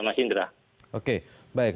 mas indra oke baik